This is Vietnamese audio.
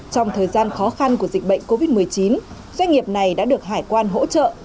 trong thời gian khó khăn của dịch bệnh covid một mươi chín doanh nghiệp này đã được hải quan hỗ trợ